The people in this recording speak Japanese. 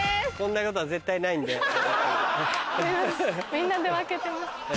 みんなで分けてます。